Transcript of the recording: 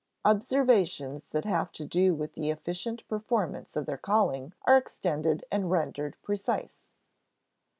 Observations that have to do with the efficient performance of their calling are extended and rendered precise.